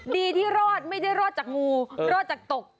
ดีที่รอดไม่ได้รอดจากงูรอดจากตก